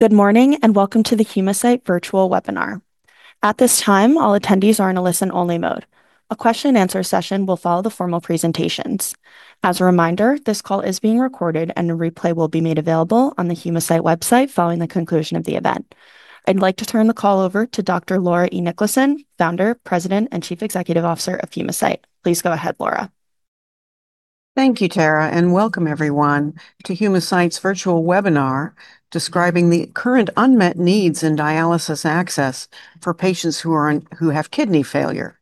Good morning, welcome to the Humacyte Virtual Webinar. At this time, all attendees are in a listen-only mode. A question and answer session will follow the formal presentations. As a reminder, this call is being recorded, and a replay will be made available on the Humacyte website following the conclusion of the event. I'd like to turn the call over to Dr. Laura Niklason, Founder, President, and Chief Executive Officer of Humacyte. Please go ahead, Laura. Thank you, Tara, and welcome everyone to Humacyte Virtual Webinar, describing the current unmet needs in dialysis access for patients who have kidney failure.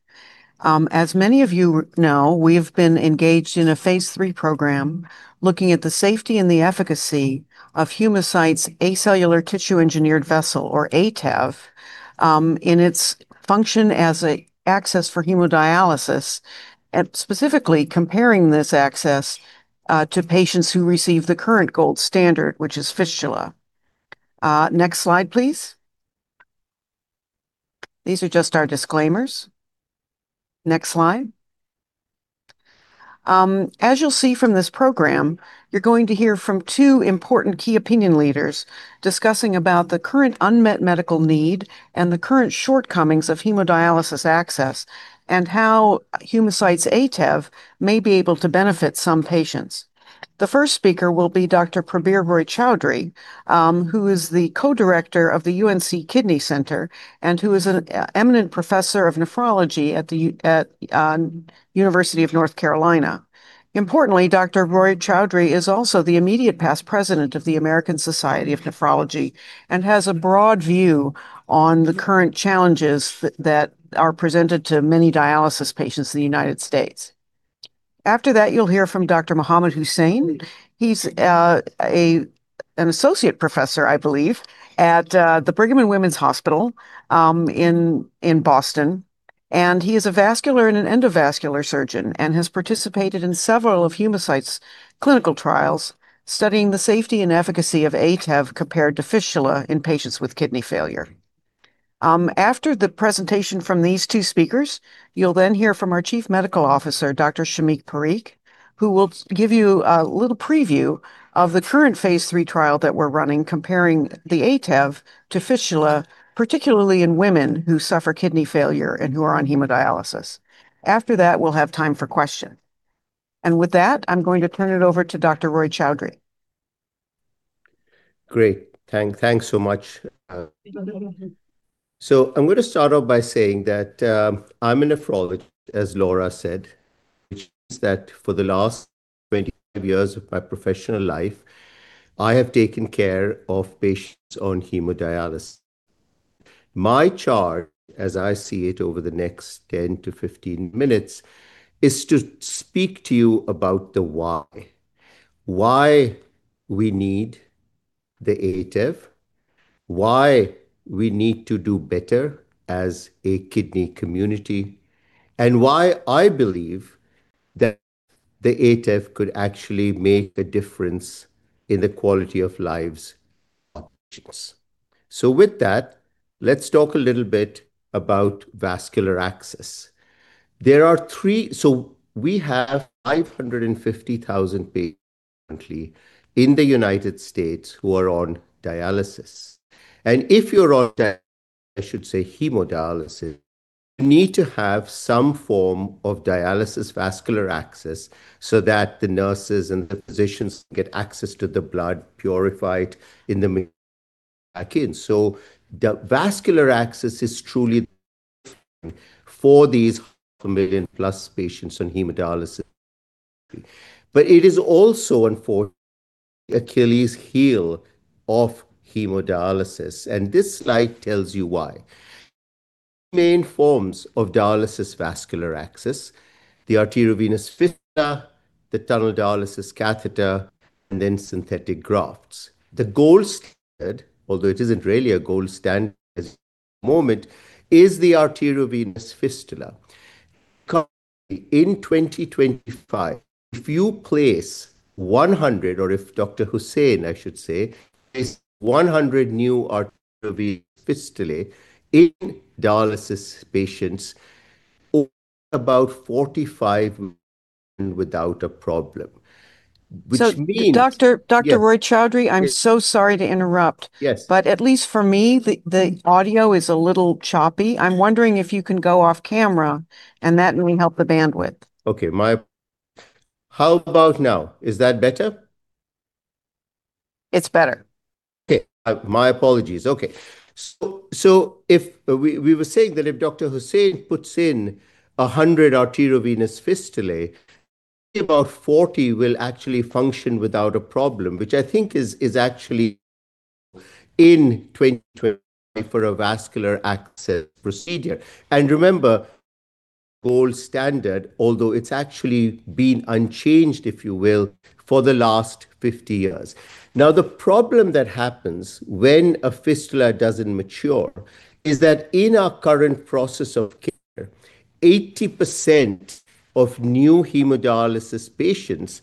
As many of you know, we've been engaged in a phase III program looking at the safety and the efficacy of Humacyte's acellular tissue engineered vessel or ATEV, in its function as a access for hemodialysis, and specifically comparing this access to patients who receive the current gold standard, which is fistula. Next slide, please. These are just our disclaimers. Next slide. As you'll see from this program, you're going to hear from two important key opinion leaders discussing about the current unmet medical need and the current shortcomings of hemodialysis access and how Humacyte's ATEV may be able to benefit some patients. The first speaker will be Dr. Prabir Roy-Chaudhury, who is the co-director of the UNC Kidney Center and who is an eminent professor of nephrology at the University of North Carolina. Importantly, Dr. Roy-Chaudhury is also the immediate past President of the American Society of Nephrology and has a broad view on the current challenges that are presented to many dialysis patients in the United States. After that, you'll hear from Dr. Mohamad A. Hussain. He's an associate professor, I believe, at the Brigham and Women's Hospital in Boston, and he is a vascular and an endovascular surgeon and has participated in several of Humacyte's clinical trials studying the safety and efficacy of ATEV compared to fistula in patients with kidney failure. After the presentation from these two speakers, you'll then hear from our Chief Medical Officer, Dr. Shamik Parikh, who will give you a little preview of the current phase III trial that we're running comparing the ATEV to fistula, particularly in women who suffer kidney failure and who are on hemodialysis. After that, we'll have time for question. With that, I'm going to turn it over to Dr. Roy-Chaudhury. Great. Thanks so much. I'm gonna start off by saying that I'm a nephrologist, as Laura said, which is that for the last 25 years of my professional life, I have taken care of patients on hemodialysis. My charge, as I see it over the next 10 to 15 minutes, is to speak to you about the why. Why we need the ATEV, why we need to do better as a kidney community, and why I believe that the ATEV could actually make a difference in the quality of lives of patients. With that, let's talk a little bit about vascular access. We have 550,000 patients currently in the U.S. who are on dialysis. If you're on dialysis, I should say hemodialysis, you need to have some form of dialysis vascular access so that the nurses and the physicians get access to the blood purified in the back end. The vascular access is truly for these half a million plus patients on hemodialysis. It is also unfortunately Achilles' heel of hemodialysis, and this slide tells you why. Main forms of dialysis vascular access, the arteriovenous fistula, the tunneled dialysis catheter, and then synthetic grafts. The gold standard, although it isn't really a gold standard at this moment, is the arteriovenous fistula. Currently, in 2025, if you place 100, or if Dr. Hussain, I should say, places 100 new arteriovenous fistulae in dialysis patients, about 45 million without a problem, which means. Dr. Roy-Chaudhury, I'm so sorry to interrupt. Yes. At least for me, the audio is a little choppy. I'm wondering if you can go off camera and that may help the bandwidth. Okay. How about now? Is that better? It's better. Okay. My apologies. Okay. If we were saying that if Dr. Hussain puts in 100 arteriovenous fistulae, about 40 will actually function without a problem, which I think is actually in 2025 for a vascular access procedure. Remember, gold standard, although it's actually been unchanged, if you will, for the last 50 years. The problem that happens when a fistula doesn't mature is that in our current process of care, 80% of new hemodialysis patients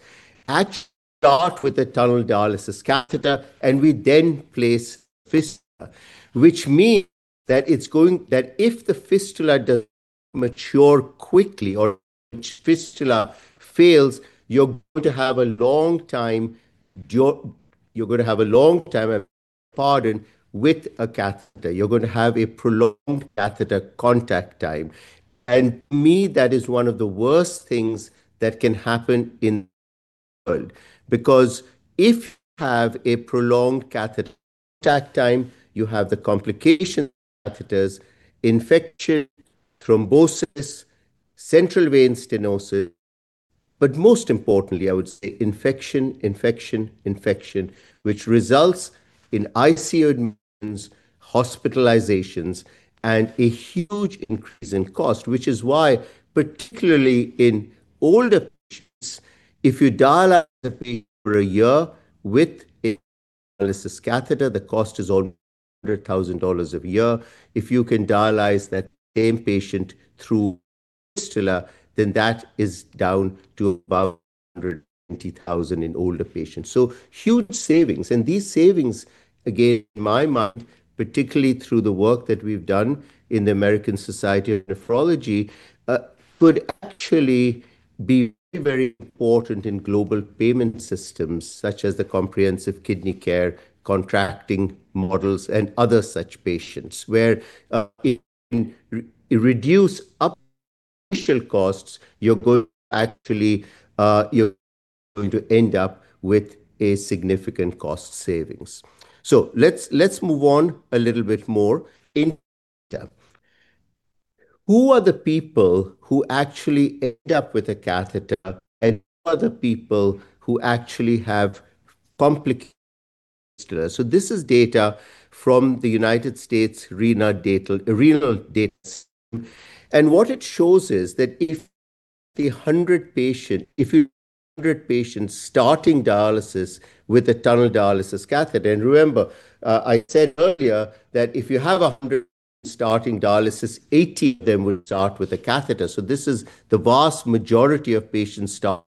actually start with a tunneled dialysis catheter. We then place fistula, which means that if the fistula does mature quickly or fistula fails, you're going to have a long time, if I may pardon, with a catheter. You're going to have a prolonged catheter contact time. To me, that is one of the worst things that can happen in the world because if you have a prolonged catheter contact time, you have the complications of catheters, infection, thrombosis, central vein stenosis. Most importantly, I would say infection, infection, which results in ICU admissions, hospitalizations, and a huge increase in cost. Which is why, particularly in older patients, if you dialyze a patient for a year with a dialysis catheter, the cost is only $100,000 a year. If you can dialyze that same patient through fistula, then that is down to about $120,000 in older patients. Huge savings, and these savings, again, in my mind, particularly through the work that we've done in the American Society of Nephrology could actually be very important in global payment systems, such as the Comprehensive Kidney Care Contracting models and other such patients, where, in reduce up initial costs, you're actually going to end up with a significant cost savings. Let's, let's move on a little bit more in depth. Who are the people who actually end up with a catheter, and who are the people who actually have complications with a fistula? This is data from the United States Renal Data System. What it shows is that if the 100 patient, if you 100 patients starting dialysis with a tunneled dialysis catheter, and remember, I said earlier that if you have 100 patients starting dialysis, 80 of them will start with a catheter. This is the vast majority of patients start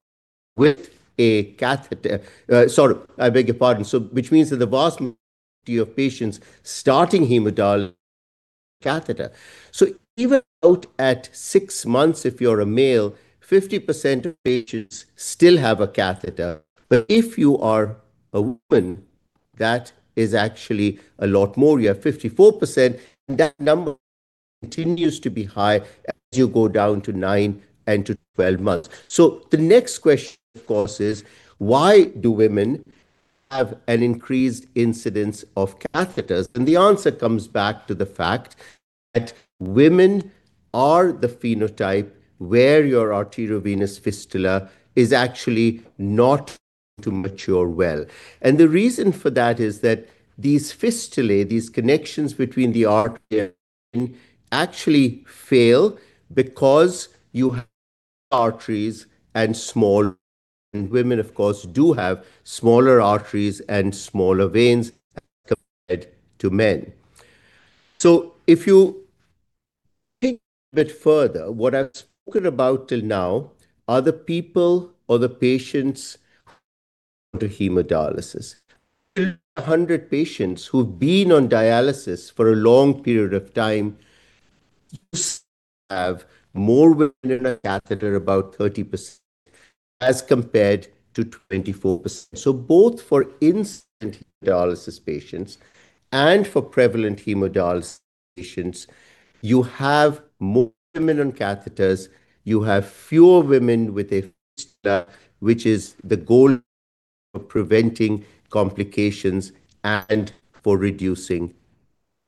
with a catheter. Sorry, I beg your pardon. Which means that the vast majority of patients starting hemodialysis with a catheter. Even out at six months, if you're a male, 50% of patients still have a catheter. If you are a woman, that is actually a lot more. You have 54%, and that number continues to be high as you go down to nine and to 12 months. The next question, of course, is: Why do women have an increased incidence of catheters? The answer comes back to the fact that women are the phenotype where your arteriovenous fistula is actually not going to mature well. The reason for that is that these fistulae, these connections between the artery and vein, actually fail because you have small arteries and smaller veins. Women, of course, do have smaller arteries and smaller veins as compared to men. If you think a bit further, what I've spoken about till now are the people or the patients who are new to hemodialysis. If you look at 100 patients who've been on dialysis for a long period of time, you still have more women on a catheter, about 30%, as compared to 24%. Both for incident hemodialysis patients and for prevalent hemodialysis patients, you have more women on catheters, you have fewer women with a fistula, which is the goal of preventing complications and for reducing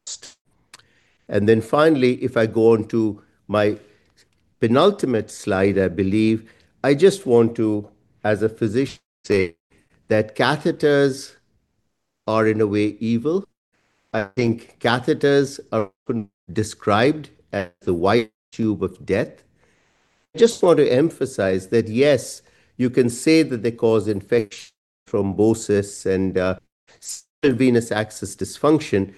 costs. Finally, if I go on to my penultimate slide, I believe, I just want to, as a physician, say that catheters are, in a way, evil. I think catheters are often described as the white tube of death. I just want to emphasize that, yes, you can say that they cause infection, thrombosis, and central venous access dysfunction.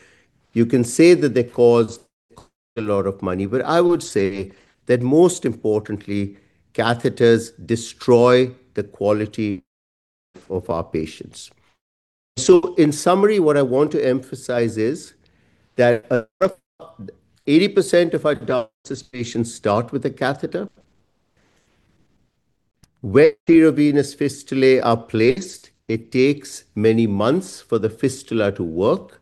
You can say that they cost a lot of money. I would say that most importantly, catheters destroy the quality of life of our patients. In summary, what I want to emphasize is that around 80% of our dialysis patients start with a catheter. Where arteriovenous fistulae are placed, it takes many months for the fistula to work.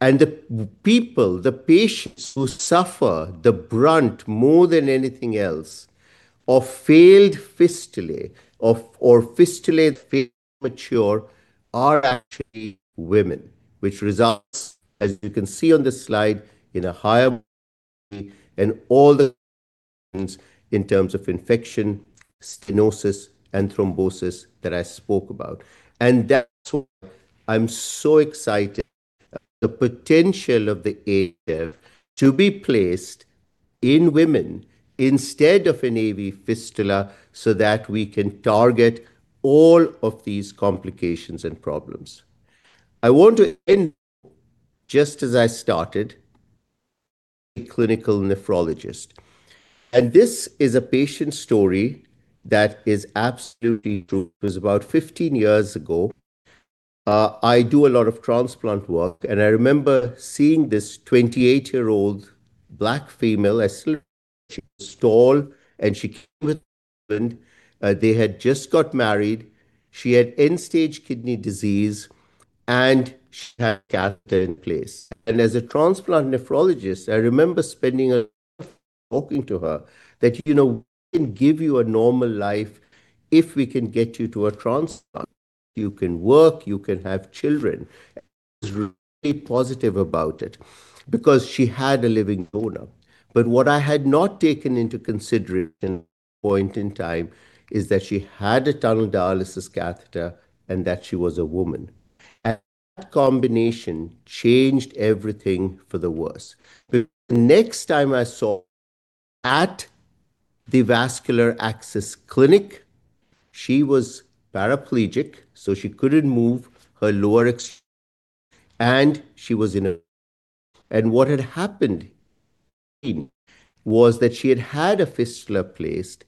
The people, the patients who suffer the brunt more than anything else of failed fistulae or fistulae that fail to mature are actually women, which results, as you can see on this slide, in a higher mortality and all the bad outcomes in terms of infection, stenosis, and thrombosis that I spoke about. That's why I'm so excited about the potential of the ATEV to be placed in women instead of an AV fistula, so that we can target all of these complications and problems. I want to end just as I started, as a clinical nephrologist. This is a patient story that is absolutely true. It was about 15 years ago. I do a lot of transplant work, and I remember seeing this 28-year-old Black female. She was tall, and she came with, and they had just got married. She had ESKD, and she had a catheter in place. As a transplant nephrologist, I remember spending a lot of time talking to her that, you know, we can give you a normal life if we can get you to a transplant. You can work, you can have children. I was really positive about it because she had a living donor. What I had not taken into consideration at that point in time is that she had a tunneled dialysis catheter and that she was a woman. That combination changed everything for the worse. The next time I saw her at the vascular access clinic, she was paraplegic, so she couldn't move her lower. What had happened was that she had had a fistula placed.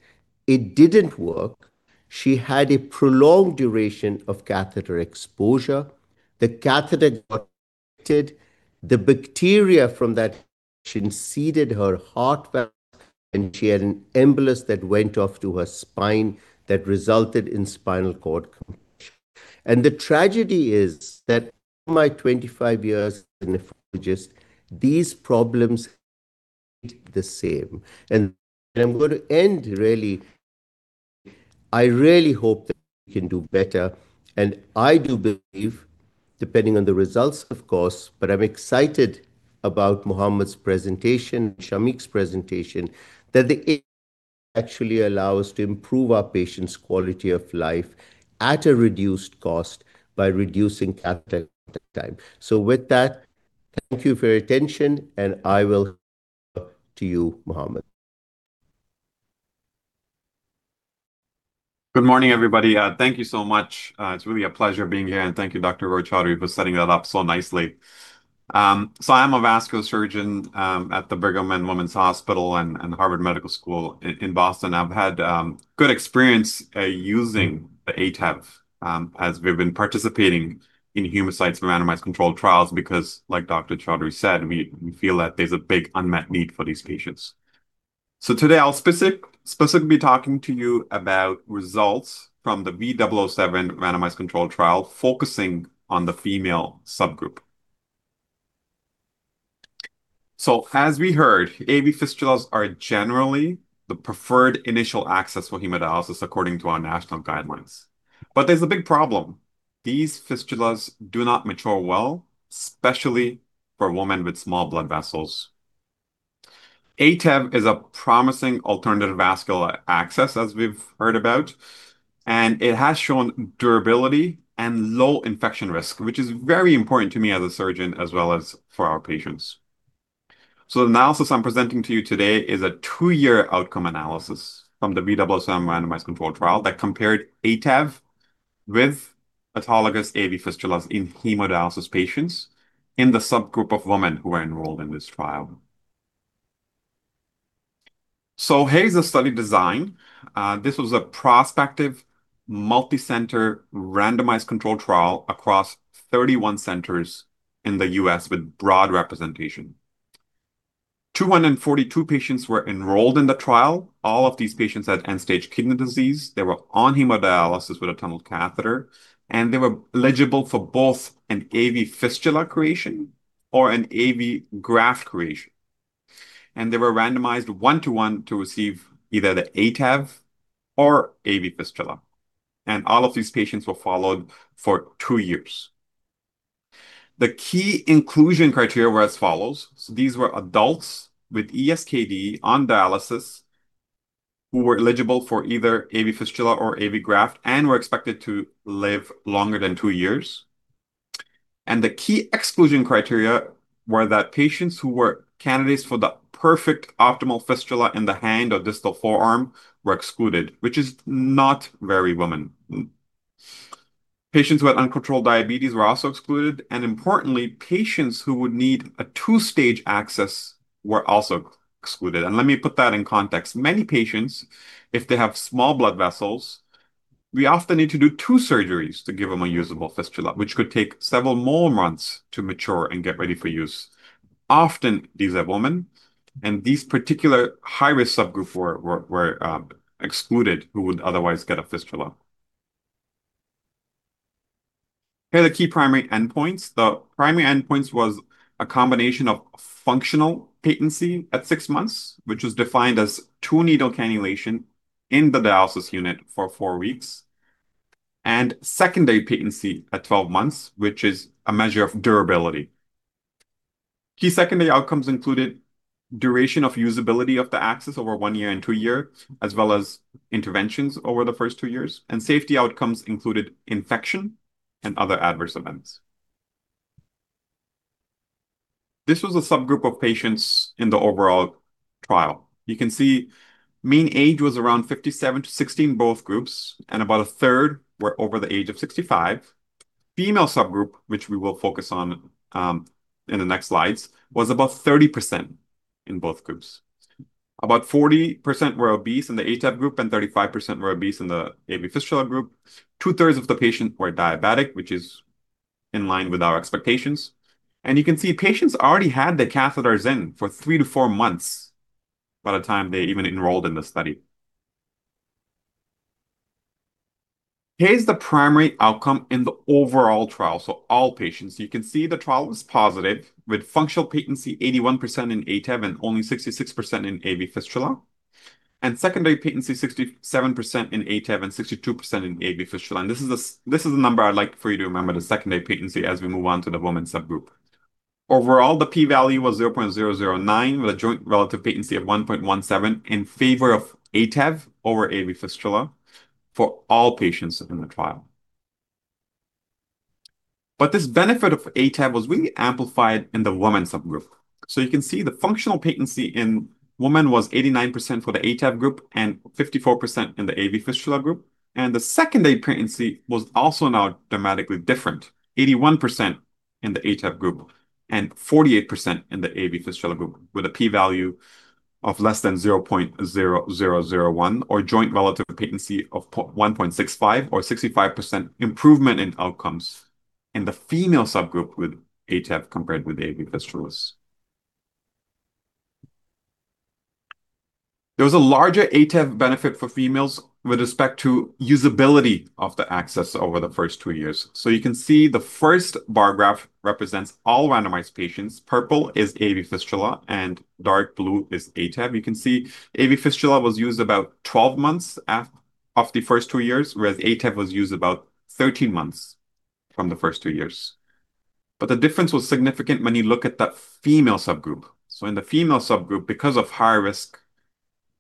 It didn't work. She had a prolonged duration of catheter exposure. The catheter got infected. The bacteria from that infection seeded her heart valve, she had an embolus that went off to her spine that resulted in spinal cord compression. The tragedy is that my 25 years as a nephrologist, these problems stayed the same. I'm going to end really, I really hope that we can do better. I do believe, depending on the results, of course, but I'm excited about Mohamad's presentation, Shamik's presentation, that the ATEV actually allows to improve our patients' quality of life at a reduced cost by reducing catheter contact time. With that, thank you for your attention, I will hand over to you, Mohamad. Good morning, everybody. Thank you so much. It's really a pleasure being here, and thank you, Dr. Roy-Chaudhury, for setting that up so nicely. I am a vascular surgeon at the Brigham and Women's Hospital and Harvard Medical School in Boston. I've had good experience using the ATEV as we've been participating in Humacyte's for randomized controlled trials because, like Dr. Roy-Chaudhury said, we feel that there's a big unmet need for these patients. Today, I'll specifically be talking to you about results from the V007 randomized controlled trial, focusing on the female subgroup. As we heard, AV fistulas are generally the preferred initial access for hemodialysis according to our national guidelines. There's a big problem. These fistulas do not mature well, especially for women with small blood vessels. ATEV is a promising alternative vascular access, as we've heard about, and it has shown durability and low infection risk, which is very important to me as a surgeon as well as for our patients. The analysis I'm presenting to you today is a two-year outcome analysis from the V007 randomized controlled phase III trial that compared ATEV with autologous AV fistulas in hemodialysis patients in the subgroup of women who were enrolled in this trial. Here's the study design. This was a prospective multi-center randomized controlled trial across 31 centers in the U.S. with broad representation. 242 patients were enrolled in the trial. All of these patients had end-stage kidney disease. They were on hemodialysis with a tunneled dialysis catheter, and they were eligible for both an AV fistula creation or an AV graft creation. They were randomized one to one to receive either the ATEV or AV fistula. All of these patients were followed for two years. The key inclusion criteria were as follows. These were adults with ESKD on dialysis who were eligible for either AV fistula or AV graft and were expected to live longer than two years. The key exclusion criteria were that patients who were candidates for the perfect optimal fistula in the hand or distal forearm were excluded, which is not very common. Patients who had uncontrolled diabetes were also excluded, and importantly, patients who would need a two-stage access were also excluded. Let me put that in context. Many patients, if they have small blood vessels, we often need to do two surgeries to give them a usable fistula, which could take several more months to mature and get ready for use. Often, these are women, and these particular high-risk subgroup were excluded who would otherwise get a fistula. Here are the key primary endpoints. The primary endpoints was a combination of functional patency at six months, which was defined as two needle cannulation in the dialysis unit for four weeks, and secondary patency at 12 months, which is a measure of durability. Key secondary outcomes included duration of usability of the access over one year and two years, as well as interventions over the first two years. Safety outcomes included infection and other adverse events. This was a subgroup of patients in the overall trial. You can see mean age was around 57 to 60 in both groups, and about a third were over the age of 65. Female subgroup, which we will focus on, in the next slides, was about 30% in both groups. About 40% were obese in the ATEV group, and 35% were obese in the AV fistula group. Two-thirds of the patients were diabetic, which is in line with our expectations. You can see patients already had the catheters in for three to four months by the time they even enrolled in the study. Here's the primary outcome in the overall trial, so all patients. You can see the trial was positive with functional patency 81% in ATEV and only 66% in AV fistula. Secondary patency 67% in ATEV and 62% in AV fistula. This is a number I'd like for you to remember, the secondary patency, as we move on to the women subgroup. Overall, the P value was 0.009, with a joint relative patency of 1.17 in favor of ATEV over AV fistula for all patients in the trial. This benefit of ATEV was really amplified in the women subgroup. You can see the functional patency in women was 89% for the ATEV group and 54% in the AV fistula group. The secondary patency was also now dramatically different, 81% in the ATEV group and 48% in the AV fistula group, with a P value of less than 0.0001 or joint relative patency of 1.65 or 65% improvement in outcomes in the female subgroup with ATEV compared with AV fistulas. There was a larger ATEV benefit for females with respect to usability of the access over the first two years. You can see the first bar graph represents all randomized patients. Purple is AV fistula and dark blue is ATEV. You can see AV fistula was used about 12 months of the first two years, whereas ATEV was used about 13 months from the first two years. The difference was significant when you look at the female subgroup. In the female subgroup, because of high risk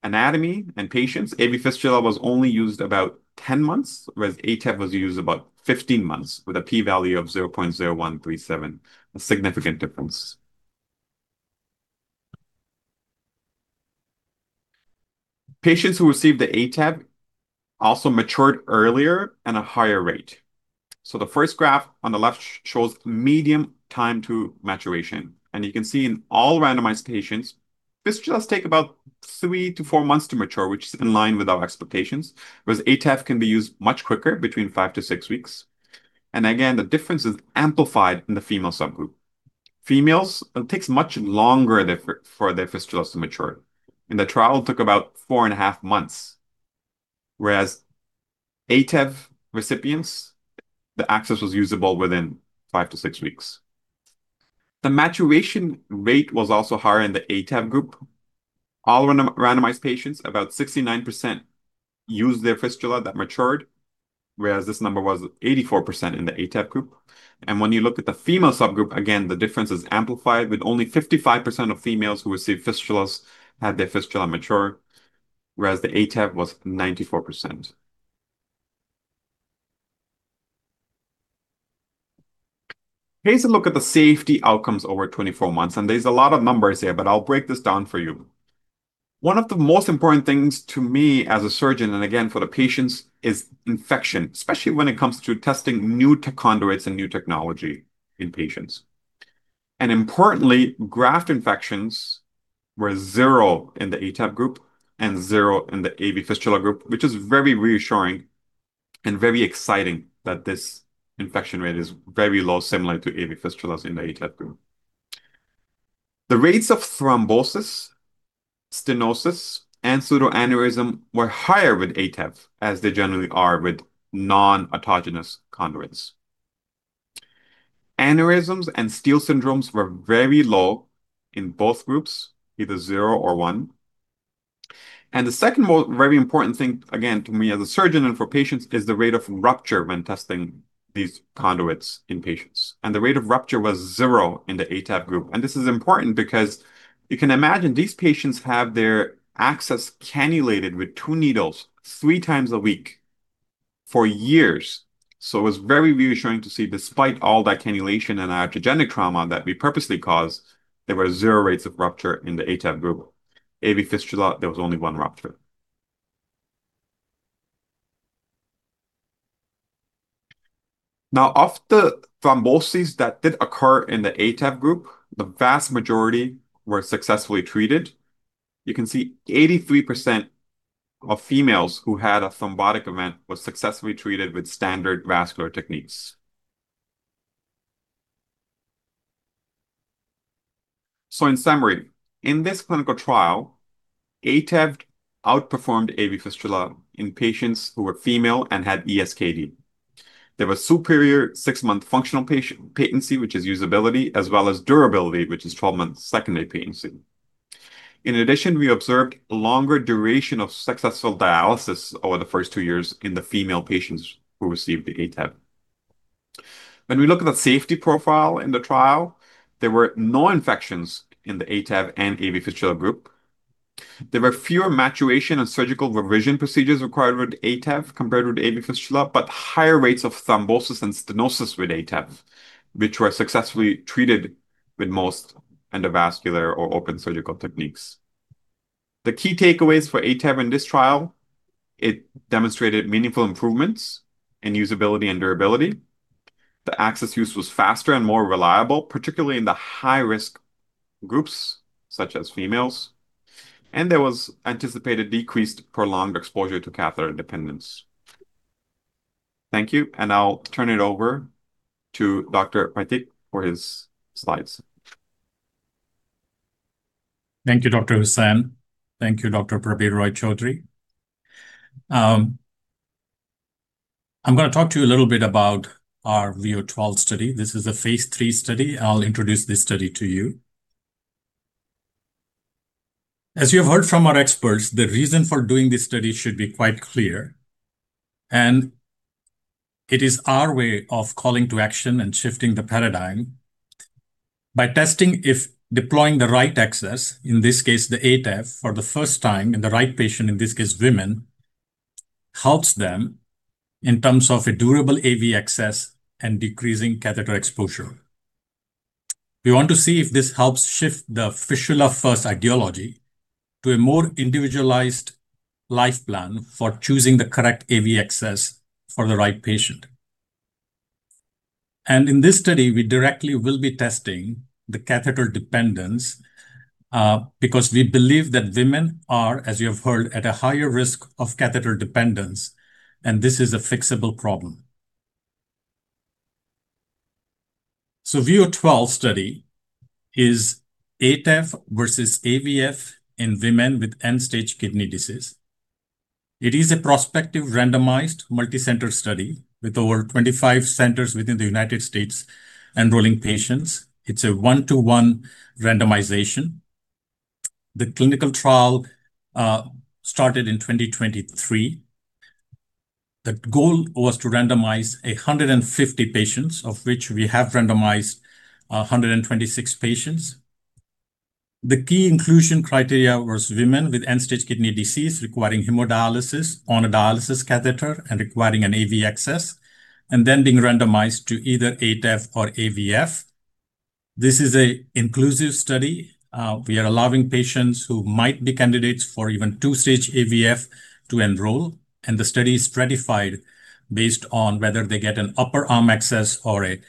anatomy in patients, AV fistula was only used about 10 months, whereas ATEV was used about 15 months with a P value of 0.0137, a significant difference. Patients who received the ATEV also matured earlier at a higher rate. The first graph on the left shows median time to maturation. You can see in all randomized patients, fistulas take about three-four months to mature, which is in line with our expectations. ATEV can be used much quicker, between five-six weeks. Again, the difference is amplified in the female subgroup. Females, it takes much longer for their fistulas to mature. In the trial, it took about four and half months. ATEV recipients, the access was usable within five-six weeks. The maturation rate was also higher in the ATEV group. All randomized patients, about 69% used their fistula that matured, whereas this number was 84% in the ATEV group. When you look at the female subgroup, again, the difference is amplified with only 55% of females who received fistulas had their fistula mature, whereas the ATEV was 94%. Here's a look at the safety outcomes over 24 months. There's a lot of numbers here, I'll break this down for you. One of the most important things to me as a surgeon, again for the patients, is infection, especially when it comes to testing new conduits and new technology in patients. Importantly, graft infections were zero in the ATEV group and zero in the AV fistula group, which is very reassuring and very exciting that this infection rate is very low, similar to AV fistulas in the ATEV group. The rates of thrombosis, stenosis, and pseudoaneurysm were higher with ATEV, as they generally are with non-autogenous conduits. Aneurysms and steal syndromes were very low in both groups, either zero or one. The second most very important thing, again, to me as a surgeon and for patients, is the rate of rupture when testing these conduits in patients. The rate of rupture was zero in the ATEV group. This is important because you can imagine these patients have their access cannulated with two needles three times a week for years. It was very reassuring to see despite all that cannulation and iatrogenic trauma that we purposely cause, there were zero rates of rupture in the ATEV group. AV fistula, there was only one rupture. Of the thromboses that did occur in the ATEV group, the vast majority were successfully treated. You can see 83% of females who had a thrombotic event was successfully treated with standard vascular techniques. In summary, in this clinical trial, ATEV outperformed AV fistula in patients who were female and had ESKD. There was superior six-month functional patency, which is usability, as well as durability, which is 12-month secondary patency. In addition, we observed longer duration of successful dialysis over the first two years in the female patients, who received the ATEV. When we look at the safety profile in the trial, there were no infections in the ATEV and AV fistula group. There were fewer maturation and surgical revision procedures required with ATEV compared with AV fistula, but higher rates of thrombosis and stenosis with ATEV, which were successfully treated with most endovascular or open surgical techniques. The key takeaways for ATEV in this trial, it demonstrated meaningful improvements in usability and durability. The access use was faster and more reliable, particularly in the high-risk groups, such as females There was anticipated decreased prolonged exposure to catheter dependence. Thank you, and I'll turn it over to Dr. Parikh for his slides. Thank you, Dr. Hussain. Thank you, Dr. Prabir Roy-Chaudhury. I'm gonna talk to you a little bit about our V012 study. This is a phase III study. I'll introduce this study to you. As you have heard from our experts, the reason for doing this study should be quite clear, and it is our way of calling to action and shifting the paradigm by testing if deploying the right access, in this case, the ATEV, for the first time in the right patient, in this case women, helps them in terms of a durable AV access and decreasing catheter exposure. We want to see if this helps shift the fistula-first ideology to a more individualized life plan for choosing the correct AV access for the right patient. In this study, we directly will be testing the catheter dependence, because we believe that women are, as you have heard, at a higher risk of catheter dependence, and this is a fixable problem. V012 study is ATEV versus AVF in women with end-stage kidney disease. It is a prospective randomized multicenter study with over 25 centers within the U.S. enrolling patients. It's a one-to-one randomization. The clinical trial started in 2023. The goal was to randomize 150 patients, of which we have randomized 126 patients. The key inclusion criteria was women with end-stage kidney disease requiring hemodialysis on a dialysis catheter and requiring an AV access, and then being randomized to either ATEV or AVF. This is a inclusive study. We are allowing patients who might be candidates for even two-stage AVF to enroll, and the study is stratified based on whether they get an upper arm access or a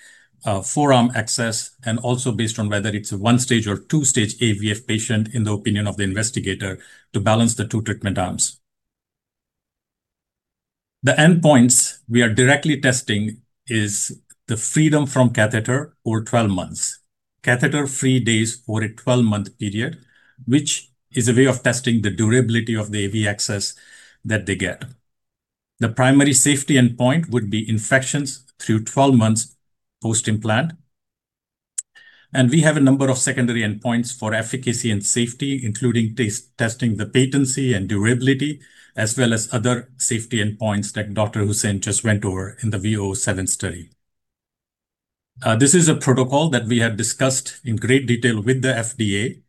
forearm access, and also based on whether it's a one-stage or two-stage AVF patient in the opinion of the investigator to balance the two treatment arms. The endpoints we are directly testing is the freedom from catheter over 12 months, catheter-free days over a 12-month period, which is a way of testing the durability of the AV access that they get. The primary safety endpoint would be infections through 12 months post-implant. We have a number of secondary endpoints for efficacy and safety, including testing the patency and durability as well as other safety endpoints that Dr. Hussain just went over in the V007 study. This is a protocol that we have discussed in great detail with the FDA.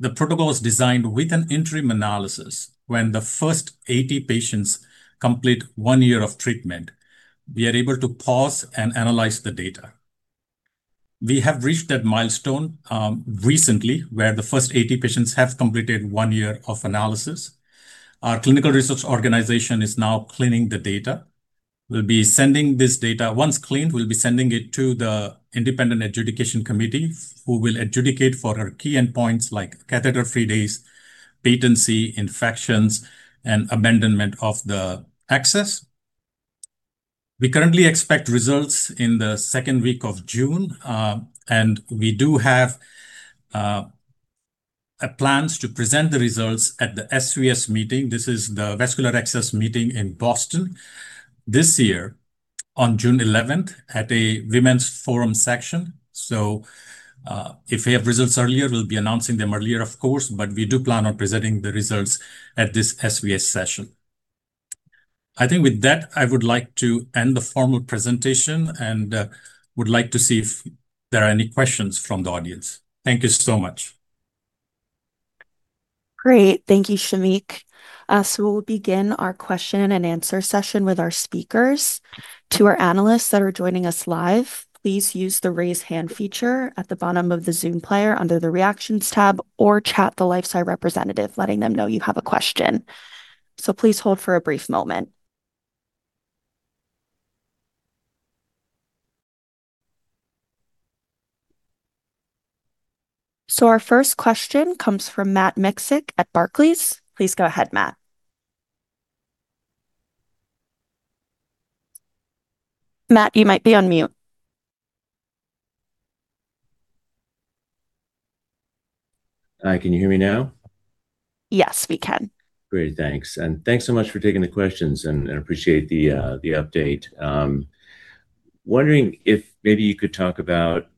The protocol is designed with an interim analysis when the first 80 patients complete one year of treatment. We are able to pause and analyze the data. We have reached that milestone recently, where the first 80 patients have completed one year of analysis. Our clinical research organization is now cleaning the data. Once cleaned, we'll be sending it to the independent adjudication committee, who will adjudicate for our key endpoints like catheter-free days, patency, infections, and abandonment of the access. We currently expect results in the 2nd week of June. We do have plans to present the results at the SVS meeting. This is the vascular access meeting in Boston this year on June 11th at a women's forum section. If we have results earlier, we'll be announcing them earlier, of course, but we do plan on presenting the results at this SVS session. I think with that, I would like to end the formal presentation and would like to see if there are any questions from the audience. Thank you so much. Great. Thank you, Shamik. Our first question comes from Matt Miksic at Barclays. Please go ahead, Matt. Matt, you might be on mute. Can you hear me now? Yes, we can. Great. Thanks. Thanks so much for taking the questions and appreciate the update. Wondering if maybe you could talk about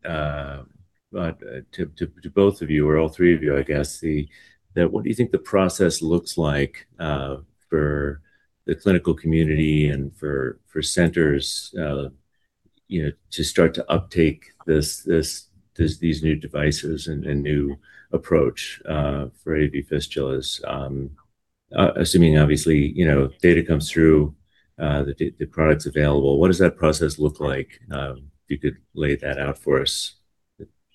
to both of you or all three of you, I guess, what do you think the process looks like for the clinical community and for centers, you know, to start to uptake these new devices and new approach for AV fistulas, assuming obviously, you know, data comes through, the product's available, what does that process look like? If you could lay that out for us.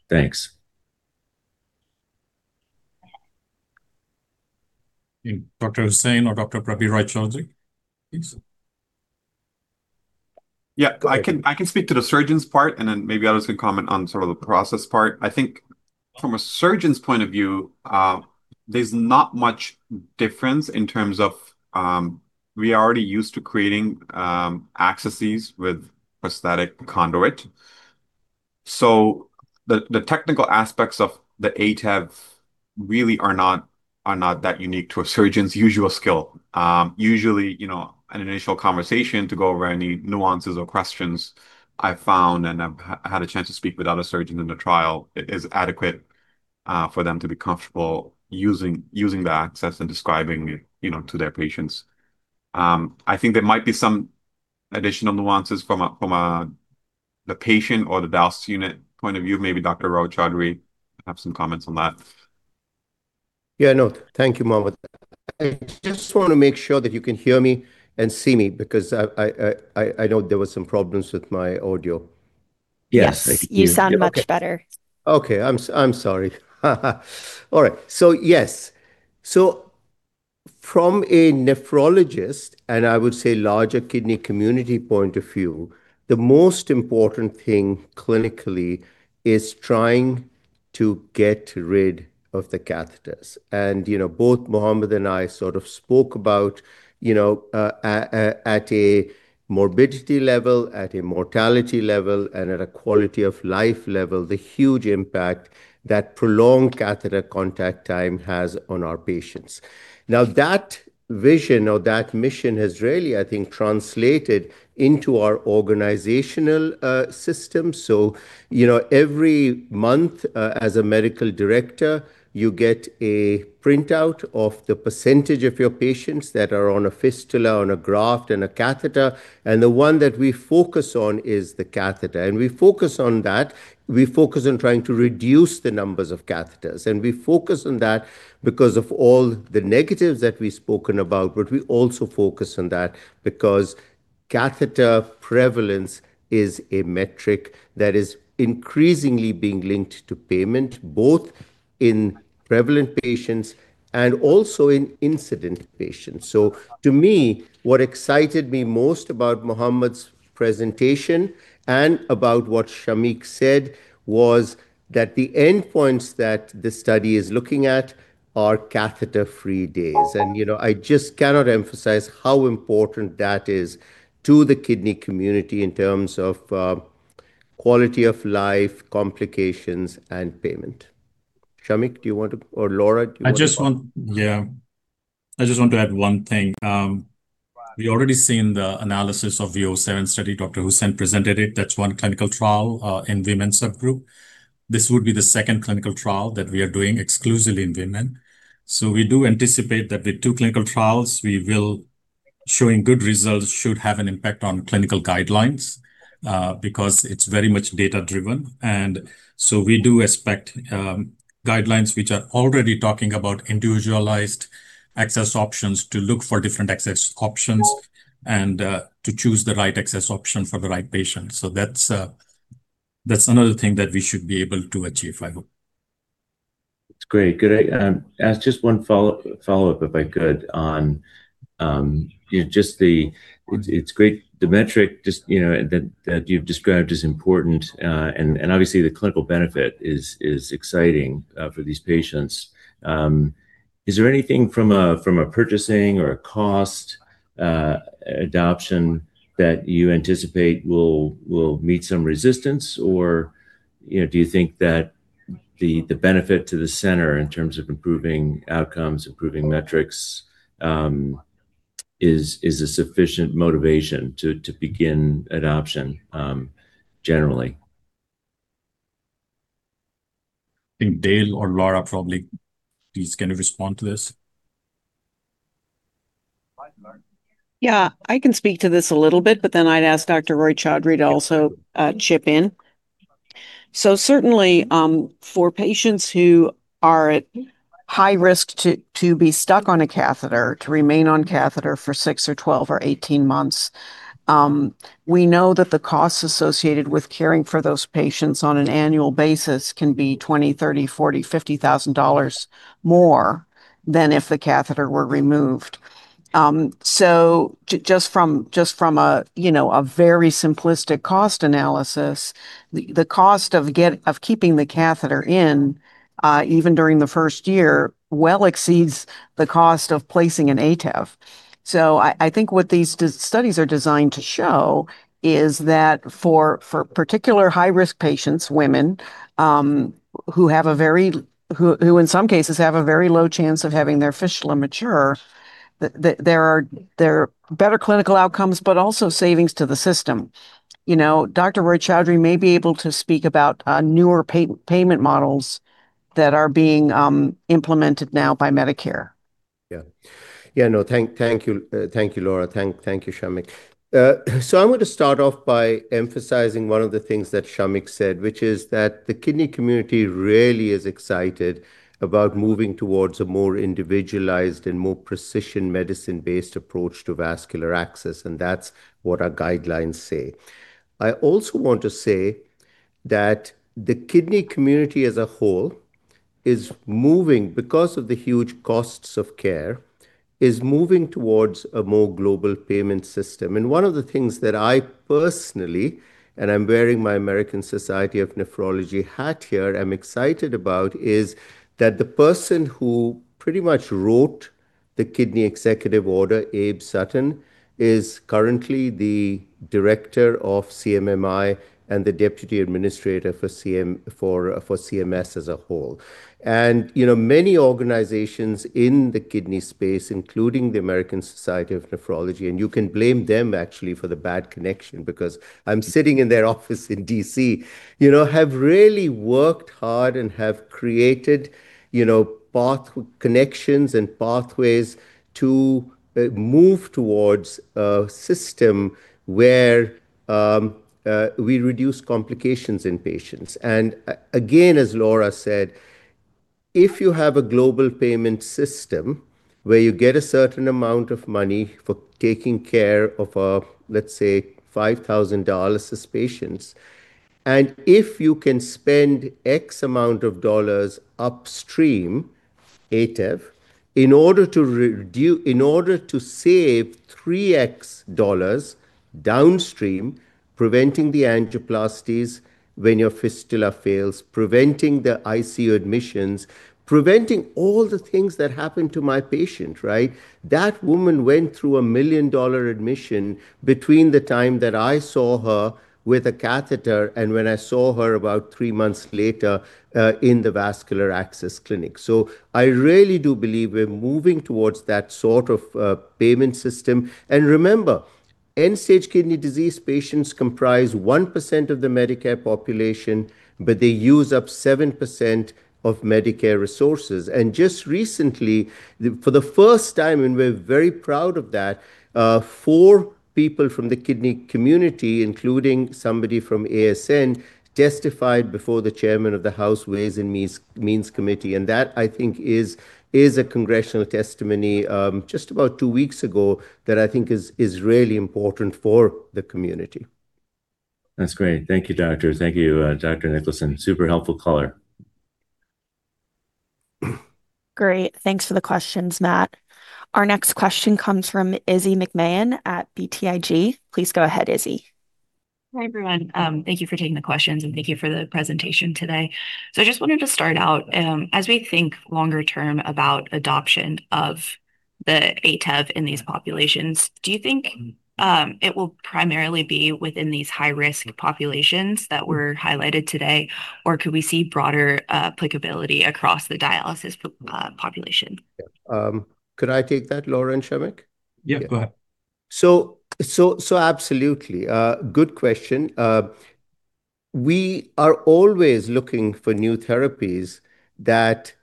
Thanks. Dr. Hussain or Dr. Prabir Roy-Chaudhury, please. I can speak to the surgeon's part, and then maybe others can comment on sort of the process part. I think from a surgeon's point of view, there's not much difference in terms of, we are already used to creating accesses with prosthetic conduit. The technical aspects of the ATEV really are not that unique to a surgeon's usual skill. Usually, you know, an initial conversation to go over any nuances or questions I found, and I've had a chance to speak with other surgeons in the trial, it is adequate for them to be comfortable using the access and describing it, you know, to their patients. I think there might be some additional nuances from the patient or the dialysis unit point of view. Maybe Dr. Roy-Chaudhury have some comments on that. Yeah, no. Thank you, Mohamad. I just wanna make sure that you can hear me and see me because I know there were some problems with my audio. Yes, I can hear you. Yes, you sound much better. Okay. I'm sorry. All right. Yes. From a nephrologist, and I would say larger kidney community point of view, the most important thing clinically is trying to get rid of the catheters. You know, both Mohamad and I sort of spoke about, you know, at a morbidity level, at a mortality level, and at a quality of life level, the huge impact that prolonged catheter contact time has on our patients. That vision or that mission has really, I think, translated into our organizational system. You know, every month, as a medical director, you get a printout of the percentage of your patients that are on a fistula, on a graft, and a catheter, and the one that we focus on is the catheter. We focus on that, we focus on trying to reduce the numbers of catheters. We focus on that because of all the negatives that we've spoken about, but we also focus on that because catheter prevalence is a metric that is increasingly being linked to payment, both in prevalent patients and also in incident patients. To me, what excited me most about Mohamad A. Hussain's presentation and about what Shamik Parikh said was that the endpoints that this study is looking at are catheter-free days. You know, I just cannot emphasize how important that is to the kidney community in terms of quality of life, complications, and payment. Shamik Parikh, or Laura Niklason, do you wanna talk? I just want. Yeah. I just want to add one thing. We already seen the analysis of the V007 study. Dr. Hussain presented it. That's one clinical trial in women subgroup. This would be the second clinical trial that we are doing exclusively in women. We do anticipate that the two clinical trials, showing good results should have an impact on clinical guidelines because it's very much data-driven. We do expect guidelines which are already talking about individualized access options to look for different access options and to choose the right access option for the right patient. That's another thing that we should be able to achieve, I hope. That's great. Could I ask just one follow-up, if I could, on, you know, it's great the metric just, you know, that you've described is important. And obviously the clinical benefit is exciting for these patients. Is there anything from a purchasing or a cost adoption that you anticipate will meet some resistance? Or, you know, do you think that the benefit to the center in terms of improving outcomes, improving metrics, is a sufficient motivation to begin adoption generally? I think Dale or Laura probably is gonna respond to this. Yeah. I can speak to this a little bit, but then I'd ask Dr. Roy-Chaudhury to also chip in. Certainly, for patients who are at high risk to be stuck on a catheter, to remain on catheter for six or 12 or 18 months, we know that the costs associated with caring for those patients on an annual basis can be $20,000, $30,000, $40,000, $50,000 more than if the catheter were removed. Just from a, you know, a very simplistic cost analysis, the cost of keeping the catheter in, even during the first year well exceeds the cost of placing an ATEV. I think what these studies are designed to show is that for particular high-risk patients, women, who in some cases have a very low chance of having their fistula mature, there are better clinical outcomes, but also savings to the system. You know, Dr. Prabir Roy-Chaudhury may be able to speak about newer payment models that are being implemented now by Medicare. Yeah. Yeah, no, thank you, thank you, Laura. Thank you, Shamik. I want to start off by emphasizing one of the things that Shamik said, which is that the kidney community really is excited about moving towards a more individualized and more precision medicine-based approach to vascular access, and that's what our guidelines say. I also want to say that the kidney community as a whole is moving because of the huge costs of care, is moving towards a more global payment system. One of the things that I personally, and I'm wearing my American Society of Nephrology hat here, I'm excited about is that the person who pretty much wrote the kidney executive order, Abe Sutton, is currently the director of CMMI and the deputy administrator for CMS as a whole. You know, many organizations in the kidney space, including the American Society of Nephrology, and you can blame them actually for the bad connection because I'm sitting in their office in D.C., you know, have really worked hard and have created, you know, connections and pathways to move towards a system where we reduce complications in patients. Again, as Laura said, if you have a global payment system where you get a certain amount of money for taking care of a, let's say, 5,000 dialysis patients, if you can spend $X amount of dollars upstream, ATEV, in order to save $3X dollars downstream, preventing the angioplasties when your fistula fails, preventing the ICU admissions, preventing all the things that happened to my patient, right? That woman went through a $1 million admission between the time that I saw her with a catheter and when I saw her about three months later in the vascular access clinic. I really do believe we're moving towards that sort of payment system. Remember, End-Stage Kidney Disease patients comprise 1% of the Medicare population, but they use up 7% of Medicare resources. Just recently, for the first time, and we're very proud of that, four people from the kidney community, including somebody from ASN, testified before the chairman of the House Ways and Means Committee. That, I think, is a congressional testimony, just about twp weeks ago that I think is really important for the community. That's great. Thank you, doctors. Thank you, Dr. Niklason. Super helpful caller. Great. Thanks for the questions, Matt. Our next question comes from Izzy McMahon at BTIG. Please go ahead, Izzy. Hi, everyone. Thank you for taking the questions, and thank you for the presentation today. I just wanted to start out, as we think longer term about adoption of the ATEV in these populations, do you think, it will primarily be within these high-risk populations that were highlighted today, or could we see broader applicability across the dialysis population? Yeah, could I take that, Laura and Shamik? Yeah, go ahead. Absolutely. Good question. We are always looking for new therapies that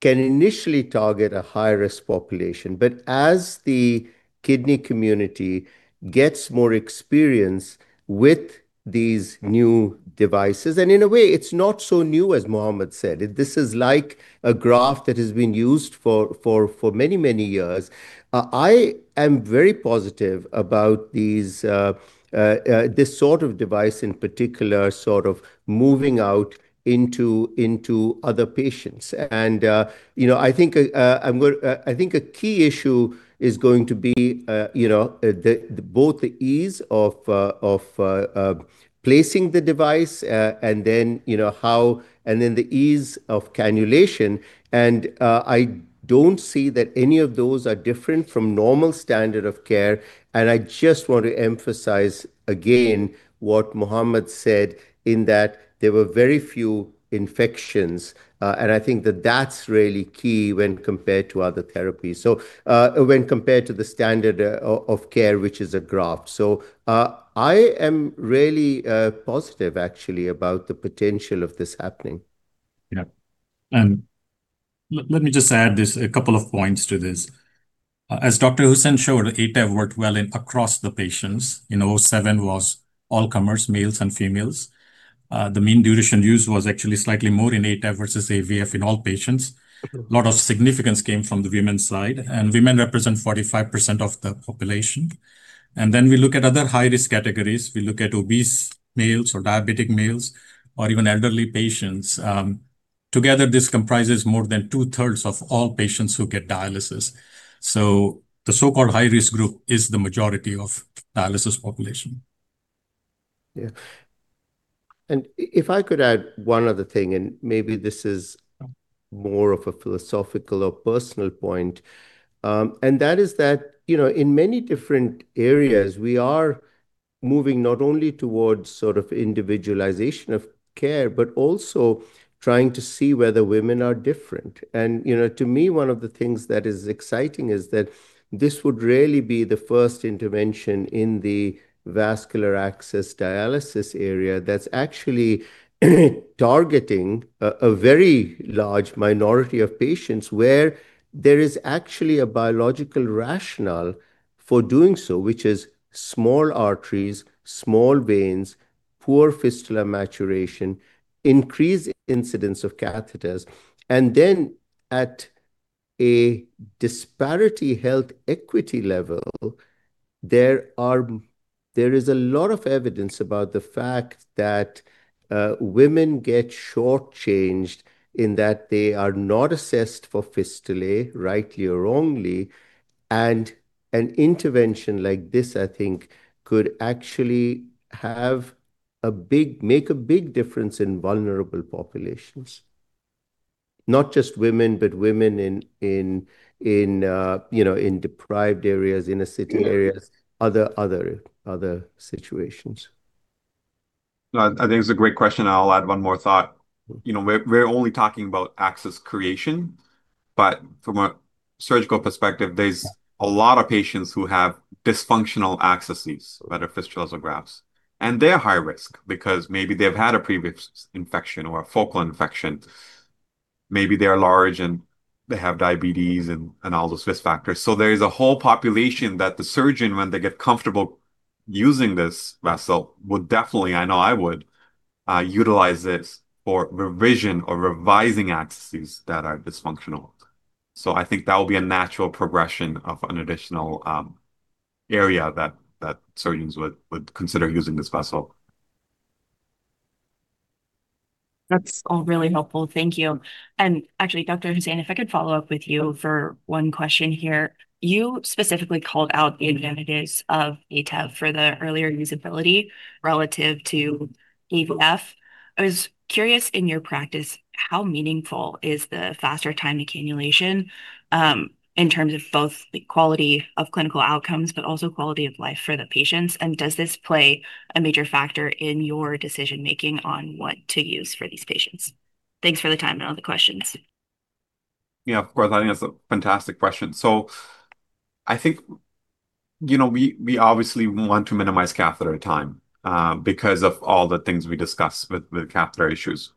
can initially target a high-risk population. As the kidney community gets more experience with these new devices, and in a way, it's not so new, as Mohamad said. This is like a graft that has been used for many, many years. I am very positive about these, this sort of device in particular sort of moving out into other patients. You know, I think a key issue is going to be, you know, the both the ease of placing the device, and then the ease of cannulation. I don't see that any of those are different from normal standard of care. I just want to emphasize again what Mohamad A. Hussain said in that there were very few infections, and I think that that's really key when compared to other therapies, when compared to the standard of care, which is a graft. I am really positive actually about the potential of this happening. Yeah. Let me just add this, a couple of points to this. As Dr. Hussain showed, ATEV worked well in across the patients. You know, seven was all comers, males and females. The mean duration used was actually slightly more in ATEV versus AVF in all patients. Lot of significance came from the women's side. Women represent 45% of the population. We look at other high-risk categories. We look at obese males or diabetic males or even elderly patients. Together, this comprises more than two-thirds of all patients who get dialysis. The so-called high-risk group is the majority of dialysis population. Yeah. If I could add one other thing, maybe this is more of a philosophical or personal point, that is that, you know, in many different areas, we are moving not only towards sort of individualization of care but also trying to see whether women are different. To me, you know, one of the things that is exciting is that, this would really be the first intervention in the vascular access dialysis area that's actually targeting a very large minority of patients where there is actually a biological rationale for doing so, which is small arteries, small veins, poor fistula maturation, increased incidence of catheters. Then at a disparity health equity level, there is a lot of evidence about the fact that women get short-changed in that they are not assessed for fistulae rightly or wrongly. An intervention like this, I think, could actually make a big difference in vulnerable populations. Not just women, but women in, you know, in deprived areas, inner city areas. Yeah... other situations. No, I think it's a great question. I'll add one more thought. You know, we're only talking about access creation, but from a surgical perspective, there's a lot of patients who have dysfunctional accesses, whether fistulas or grafts. They're high risk because maybe they've had a previous infection or a focal infection. Maybe they're large and they have diabetes and all those risk factors. There is a whole population that the surgeon, when they get comfortable using this vessel, would definitely, I know I would, utilize this for revision or revising accesses that are dysfunctional. I think that will be a natural progression of an additional area that surgeons would consider using this vessel. That's all really helpful. Thank you. Actually, Dr. Hussain, if I could follow up with you for one question here. You specifically called out the advantages of ATEV for the earlier usability relative to AVF. I was curious, in your practice, how meaningful is the faster time to cannulation, in terms of both the quality of clinical outcomes, but also quality of life for the patients? Does this play a major factor in your decision-making on what to use for these patients? Thanks for the time and all the questions. Yeah, of course. I think that's a fantastic question. I think, you know, we obviously want to minimize catheter time because of all the things we discussed with catheter issues.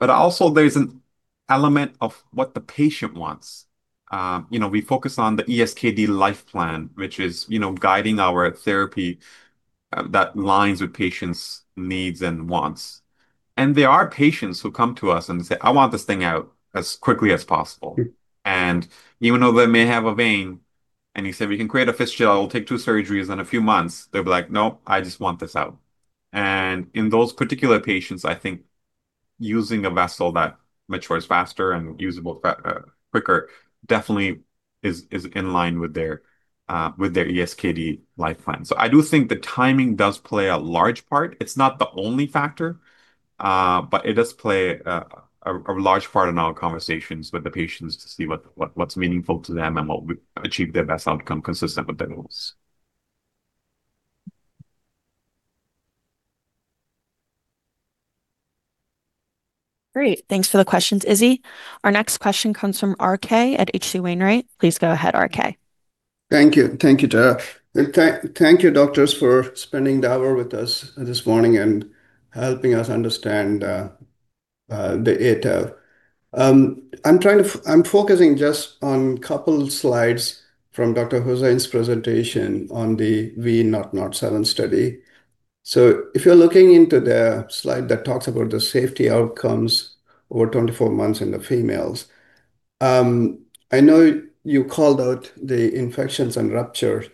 Also there's an element of what the patient wants. You know, we focus on the ESKD Life Plan, which is, you know, guiding our therapy that aligns with patient's needs and wants. There are patients who come to us and say, "I want this thing out as quickly as possible." Even though they may have a vein, and you say, "We can create a fistula. It'll take two surgeries and a few months," they'll be like, "Nope. I just want this out." In those particular patients, I think using a vessel that matures faster and usable quicker definitely is in line with their ESKD Life Plan. I do think the timing does play a large part. It's not the only factor, but it does play a large part in our conversations with the patients to see what's meaningful to them and what would achieve their best outcome consistent with their goals. Great. Thanks for the questions, Izzy. Our next question comes from RK at H.C. Wainwright. Please go ahead, RK. Thank you. Thank you, Tara. Thank you, doctors, for spending the hour with us this morning and helping us understand the ATEV. I'm focusing just on couple slides from Dr. Hussain's presentation on the V007 study. If you're looking into the slide that talks about the safety outcomes over 24 months in the females, I know you called out the infections and ruptures,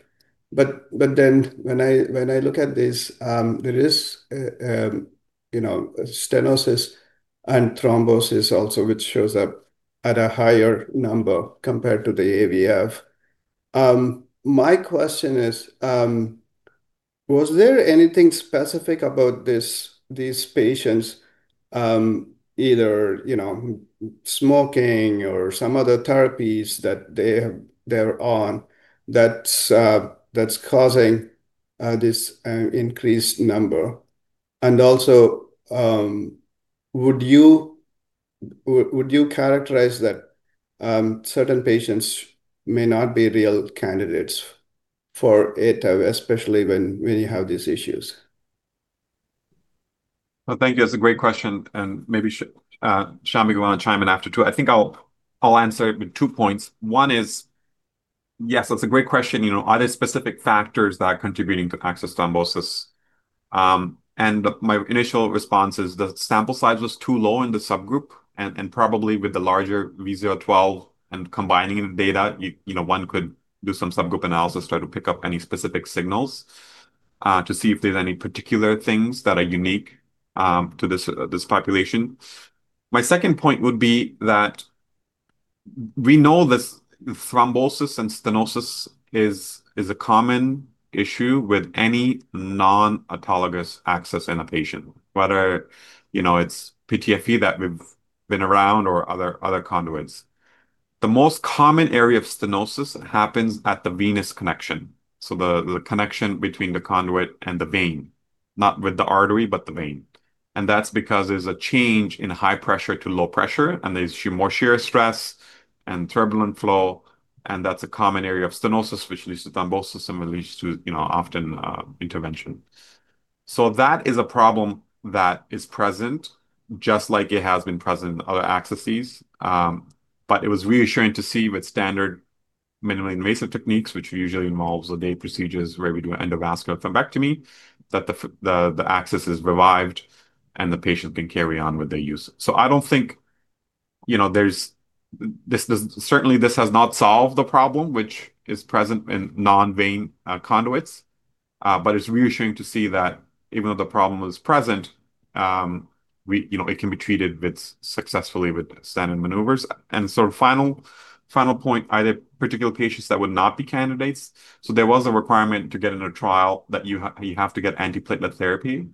but then when I look at this, there is a, you know, stenosis and thrombosis also which shows up at a higher number compared to the AVF. My question is, was there anything specific about these patients, either, you know, smoking or some other therapies that they're on that's causing this increased number? Also, would you characterize that certain patients may not be real candidates for ATEV, especially when you have these issues? Well, thank you. That's a great question. Maybe Shamik want to chime in after too. I think I'll answer it with two points. One is, yes, that's a great question. You know, are there specific factors that are contributing to access thrombosis? My initial response is the sample size was too low in the subgroup. Probably with the larger V012 and combining the data, you know, one could do some subgroup analysis, try to pick up any specific signals to see if there's any particular things that are unique to this population. My second point would be that we know this thrombosis and stenosis is a common issue with any non-autologous access in a patient, whether, you know, it's PTFE that we've been around or other conduits. The most common area of stenosis happens at the venous connection, so the connection between the conduit and the vein. Not with the artery, but the vein. That's because there's a change in high pressure to low pressure, and there's more shear stress and turbulent flow, and that's a common area of stenosis which leads to thrombosis and leads to, you know, often intervention. That is a problem that is present just like it has been present in other accesses. It was reassuring to see with standard minimally invasive techniques, which usually involves the day procedures where we do endovascular thrombectomy, that the access is revived and the patient can carry on with their use. I don't think, you know, certainly this has not solved the problem, which is present in non-vein conduits. It's reassuring to see that even though the problem is present, we, you know, it can be treated successfully with stenting maneuvers. Sort of final point, are there particular patients that would not be candidates? There was a requirement to get in a trial that you have to get antiplatelet therapy.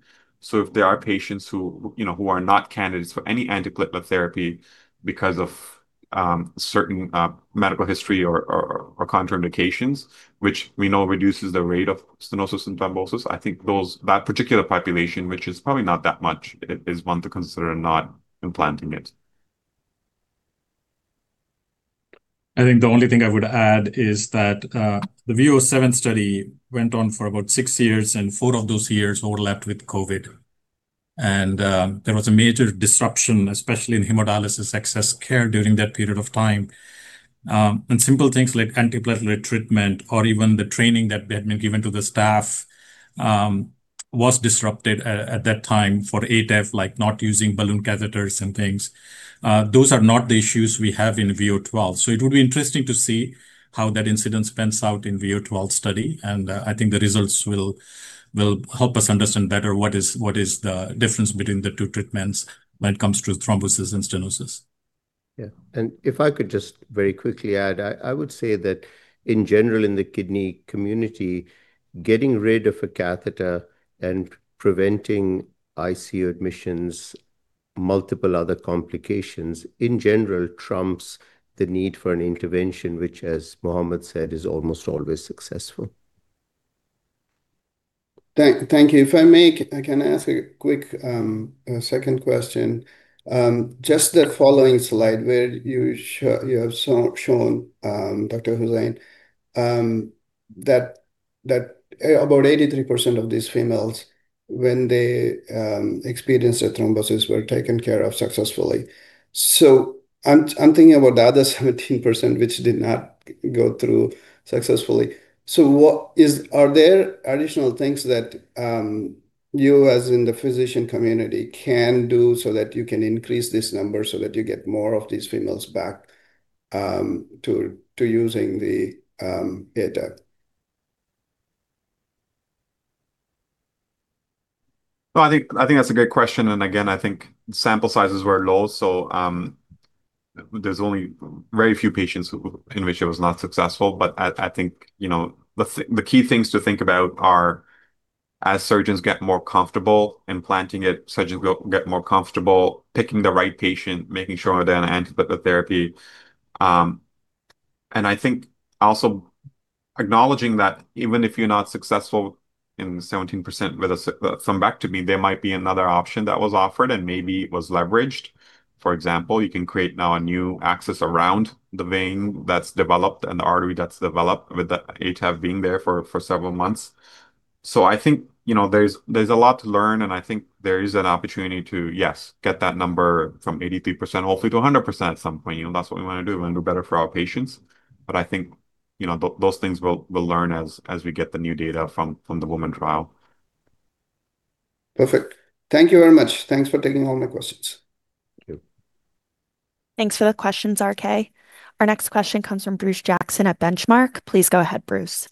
If there are patients who, you know, who are not candidates for any antiplatelet therapy because of certain medical history or contraindications, which we know reduces the rate of stenosis and thrombosis, I think those, that particular population, which is probably not that much, it is on to consider not implanting it. I think the only thing I would add is that the V007 study went on for about six years, and four of those years overlapped with COVID. There was a major disruption, especially in hemodialysis access care during that period of time. Simple things like antiplatelet treatment or even the training that had been given to the staff was disrupted at that time for ATEV, like not using balloon catheters and things. Those are not the issues we have in V012. It would be interesting to see how that incident pans out in V012 study. I think the results will help us understand better what is the difference between the two treatments when it comes to thrombosis and stenosis. Yeah. If I could just very quickly add, I would say that in general in the kidney community, getting rid of a catheter and preventing ICU admissions, multiple other complications, in general trumps the need for an intervention, which as Mohamad said, is almost always successful. Thank you. If I may, I can ask a quick second question. Just the following slide where you show, you have shown, Dr. Hussain, that about 83% of these females when they experienced a thrombosis were taken care of successfully. I'm thinking about the other 17% which did not go through successfully. Are there additional things that you as in the physician community can do so that you can increase this number so that you get more of these females back to using the ATEV? No, I think that's a great question. Again, I think sample sizes were low, so, there's only very few patients in which it was not successful. I think, you know, the key things to think about are as surgeons get more comfortable implanting it, surgeons will get more comfortable picking the right patient, making sure they're on antiplatelet therapy. I think also acknowledging that even if you're not successful in 17% with a thrombectomy, there might be another option that was offered and maybe was leveraged. For example, you can create now a new access around the vein that's developed and the artery that's developed with the ATEV being there for several months. I think, you know, there's a lot to learn, and I think there is an opportunity to, yes, get that number from 83% hopefully to 100% at some point. You know, that's what we wanna do. We wanna do better for our patients. I think, you know, those things we'll learn as we get the new data from the woman trial. Perfect. Thank you very much. Thanks for taking all my questions. Thank you. Thanks for the questions, RK. Our next question comes from Bruce Jackson at Benchmark. Please go ahead, Bruce.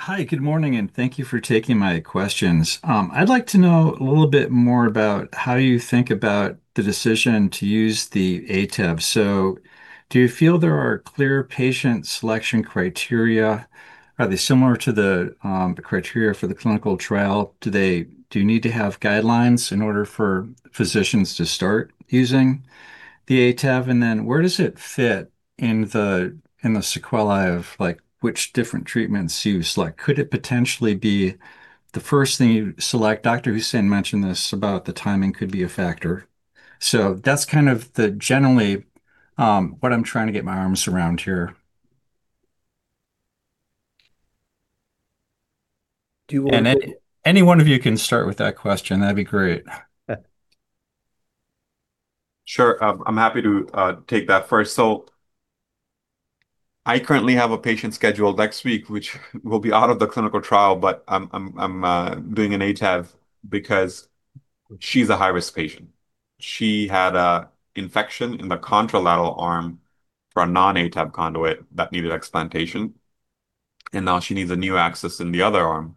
Hi. Good morning, and thank you for taking my questions. I'd like to know a little bit more about how you think about the decision to use the ATEV. Do you feel there are clear patient selection criteria? Are they similar to the criteria for the clinical trial? Do you need to have guidelines in order for physicians to start using the ATEV? Where does it fit in the, in the sequelae of like which different treatments you select? Could it potentially be the first thing you select? Dr. Hussain mentioned this about the timing could be a factor. That's kind of the generally what I'm trying to get my arms around here. Do you want me? Any one of you can start with that question. That'd be great. Sure. I'm happy to take that first. I currently have a patient scheduled next week, which will be out of the clinical trial, but I'm doing an ATEV because she's a high-risk patient. She had an infection in the contralateral arm for a non-ATEV conduit that needed explantation, and now she needs a new access in the other arm,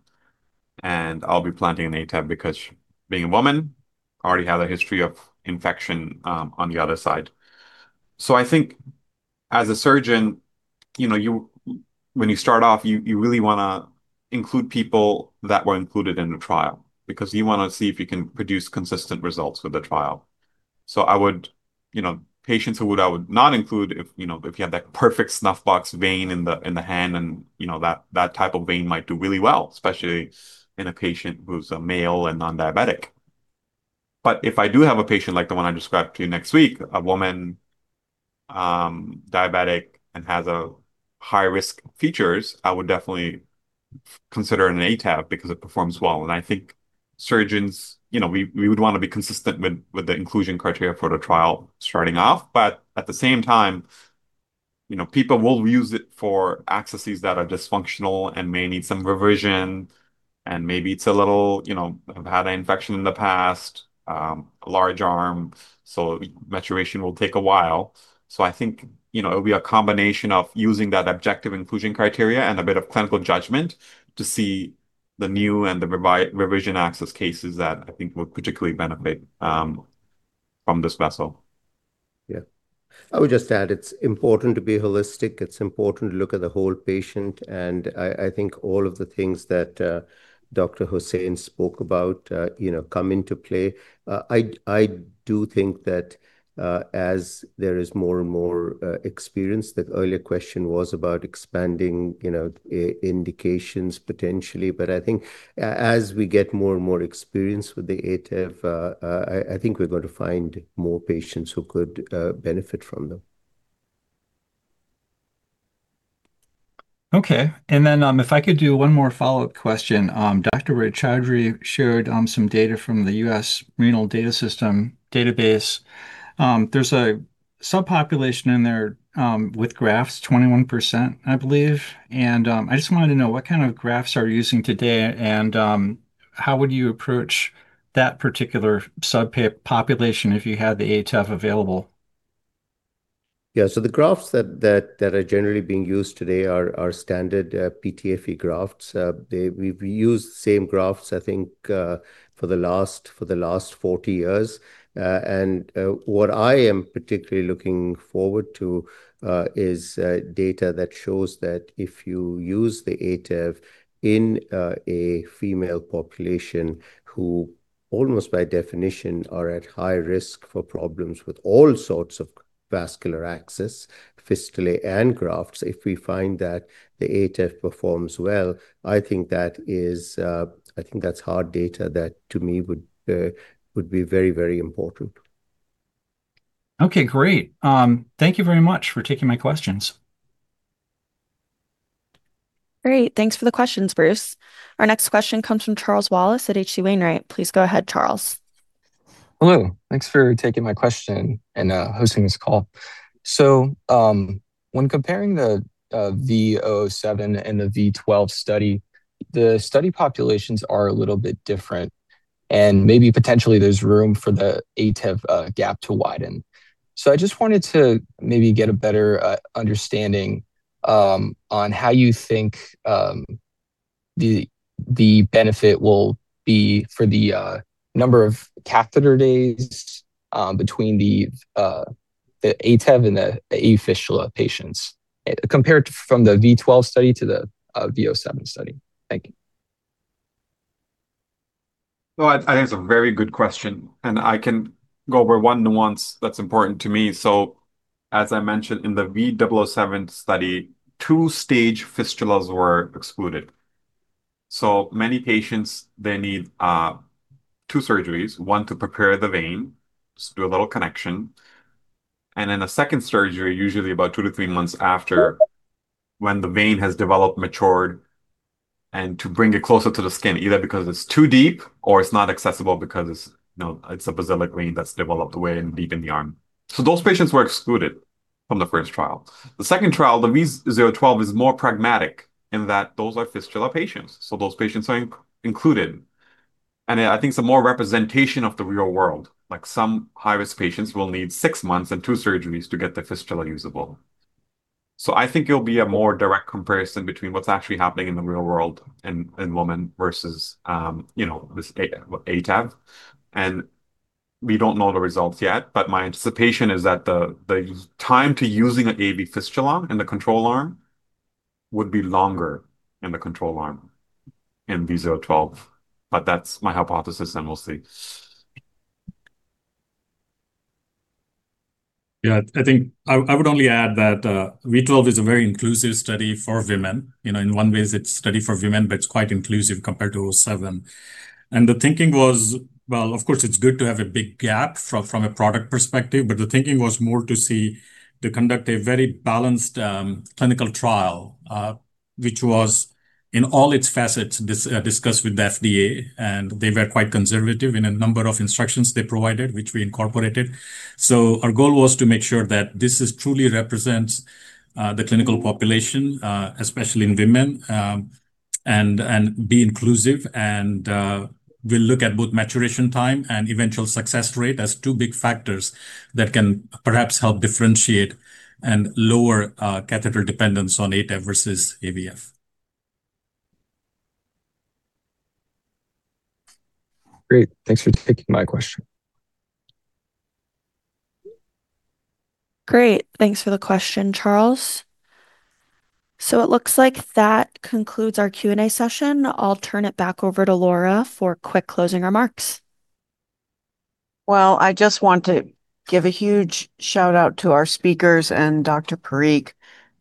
and I'll be planting an ATEV because being a woman, already had a history of infection on the other side. I think as a surgeon, you know, when you start off, you really wanna include people that were included in the trial because you wanna see if you can produce consistent results with the trial. I would, you know, patients who I would not include if, you know, if you have that perfect snuff box vein in the hand and, you know, that type of vein might do really well, especially in a patient who's a male and non-diabetic. If I do have a patient like the one I described to you next week, a woman, diabetic and has high risk features, I would definitely consider an ATEV because it performs well. I think surgeons, you know, we would wanna be consistent with the inclusion criteria for the trial starting off. At the same time, you know, people will use it for accesses that are dysfunctional and may need some revision, and maybe it's a little, you know, have had an infection in the past, large arm, so maturation will take a while. I think, you know, it'll be a combination of using that objective inclusion criteria and a bit of clinical judgment to see the new and the revision access cases that I think will particularly benefit from this vessel. Yeah. I would just add it's important to be holistic. It's important to look at the whole patient, and I think all of the things that Dr. Hussain spoke about, you know, come into play. I do think that as there is more and more experience, the earlier question was about expanding, you know, indications potentially. I think as we get more and more experience with the ATEV, I think we're going to find more patients who could benefit from them. Okay. If I could do one more follow-up question. Dr. Roy-Chaudhury shared some data from the U.S. Renal Data System database. There's a subpopulation in there with grafts, 21% I believe. I just wanted to know, what kind of grafts are you using today, and how would you approach that particular subpopulation if you had the ATEV available? Yeah. The grafts that are generally being used today are standard PTFE grafts. We've used the same grafts I think, for the last 40 years. What I am particularly looking forward to is data that shows that if you use the ATEV in a female population who almost by definition are at high risk for problems with all sorts of vascular access, fistulae and grafts, if we find that the ATEV performs well, I think that is, I think that's hard data that to me would be very important. Okay, great. Thank you very much for taking my questions. Great. Thanks for the questions, Bruce. Our next question comes from Charles Wallace at H.C. Wainwright. Please go ahead, Charles. Hello. Thanks for taking my question and hosting this call. When comparing the V007 and the V012 study, the study populations are a little bit different, and maybe potentially there's room for the ATEV gap to widen. I just wanted to maybe get a better understanding on how you think the benefit will be for the number of catheter days between the ATEV and the AV fistula patients compared to from the V012 study to the V007 study. Thank you. Well, I think it's a very good question, and I can go over one nuance that's important to me. As I mentioned in the V007 study, two-stage fistulas were excluded. Many patients, they need two surgeries, one to prepare the vein, just do a little connection, and then a second surgery usually about two to three months after when the vein has developed, matured, and to bring it closer to the skin, either because it's too deep or it's not accessible because it's, you know, it's a basilic vein that's developed way and deep in the arm. Those patients were excluded from the first trial. The second trial, the V012 is more pragmatic in that those are fistula patients. Those patients are included, and I think it's a more representation of the real world. Like, some high-risk patients will need six months and two surgeries to get their fistula usable. I think it'll be a more direct comparison between what's actually happening in the real world in women versus, you know, this ATEV. We don't know the results yet, my anticipation is that the time to using an AV fistula in the control arm would be longer in the control arm in V012. That's my hypothesis, we'll see. Yeah. I think I would only add that V012 is a very inclusive study for women. You know, in one way it's a study for women, but it's quite inclusive compared to V007. The thinking was, well, of course, it's good to have a big gap from a product perspective, but the thinking was more to see to conduct a very balanced clinical trial, which was in all its facets discussed with the FDA, and they were quite conservative in a number of instructions they provided, which we incorporated. Our goal was to make sure that this is truly represents the clinical population, especially in women, and be inclusive. We'll look at both maturation time and eventual success rate as two big factors that can perhaps help differentiate and lower catheter dependence on ATEV versus AVF. Great. Thanks for taking my question. Great. Thanks for the question, Charles. It looks like that concludes our Q&A session. I'll turn it back over to Laura for quick closing remarks. Well, I just want to give a huge shout-out to our speakers and Dr. Parikh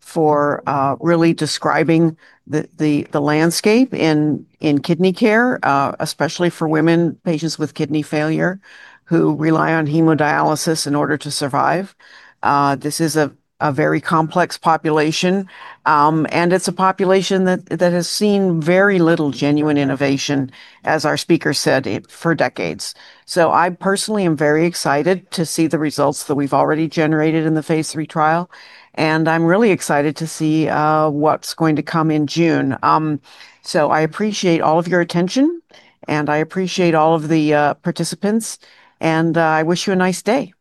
for really describing the landscape in kidney care, especially for women patients with kidney failure who rely on hemodialysis in order to survive. This is a very complex population, and it's a population that has seen very little genuine innovation, as our speaker said, for decades. I personally am very excited to see the results that we've already generated in the phase III trial, and I'm really excited to see what's going to come in June. I appreciate all of your attention, and I appreciate all of the participants, and I wish you a nice day.